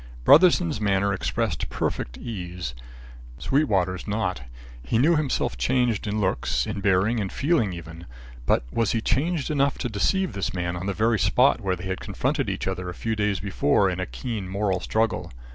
Brotherson's manner expressed perfect ease, Sweetwater's not. He knew himself changed in looks, in bearing, in feeling, even; but was he changed enough to deceive this man on the very spot where they had confronted each other a few days before in a keen moral struggle?